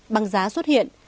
băng giá xuất hiện